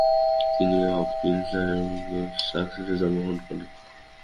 তিনি হপকিন্স সাসেক্সে জন্মগ্রহণ করেন।